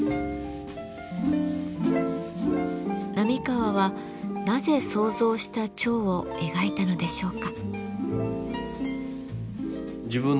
並河はなぜ想像した蝶を描いたのでしょうか？